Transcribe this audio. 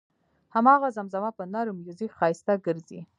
هماغه زمزمه په نر میوزیک ښایسته ګرځي.